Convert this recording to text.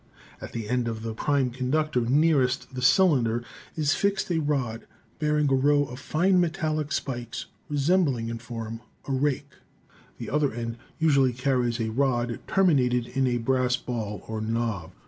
At the end of the prime conductor nearest the cylinder is fixed a rod bearing a row of fine metallic spikes, resembling in form a rake; the other end usually carries a rod terminated in a brass ball or knob.